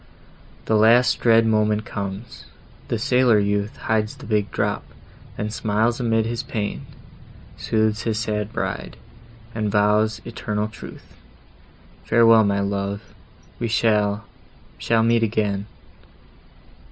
The last dread moment comes!—The sailor youth Hides the big drop, then smiles amid his pain, Sooths his sad bride, and vows eternal truth, "Farewell, my love—we shall—shall meet again!"